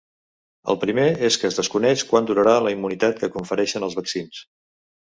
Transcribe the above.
El primer és que es desconeix quant durarà la immunitat que confereixen els vaccins.